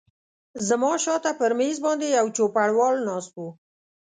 زما شاته پر مېز باندې یو چوپړوال ناست و.